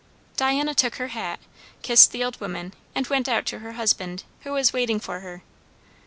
Diana took her hat, kissed the old woman, and went out to her husband, who was waiting for her.